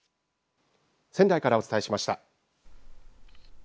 仙台からお伝えしました。